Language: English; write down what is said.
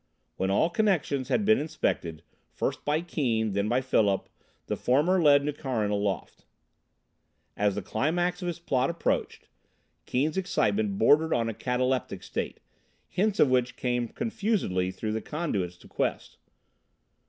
When all connections had been inspected, first by Keane, then by Philip, the former led Nukharin aloft. As the climax of his plot approached, Keane's excitement bordered on a cataleptic state, hints of which came confusedly through the conduits to Quest.